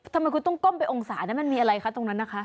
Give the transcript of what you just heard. ทำไมคุณต้องก้มไปองศานั้นมันมีอะไรคะตรงนั้นนะคะ